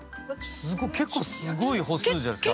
すごっ結構すごい歩数じゃないですか？